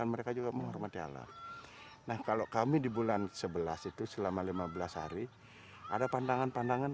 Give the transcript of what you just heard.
mereka juga menghormati allah nah kalau kami di bulan sebelas itu selama lima belas hari ada pandangan pandangan